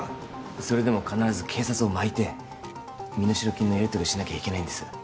それでも必ず警察をまいて身代金のやりとりをしなきゃいけないんです